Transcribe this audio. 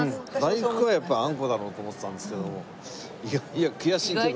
大福はやっぱあんこだろうと思ってたんですけれどもいやいや悔しいというか。